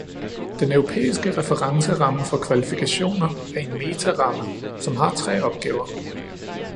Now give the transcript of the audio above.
Den europæiske referenceramme for kvalifikationer er en metaramme, som har tre opgaver.